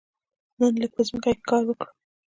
نن لږ په ځمکه کې کار وکړم.